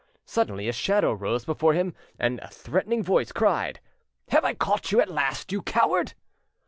Suddenly a shadow rose before him and a threatening voice cried— "Have I caught you at last, you coward?"